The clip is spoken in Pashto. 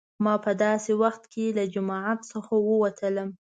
ما په داسې وخت کې له جمعیت څخه ووتلم.